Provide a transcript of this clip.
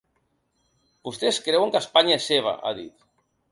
Vostès creuen que Espanya és seva, ha dit.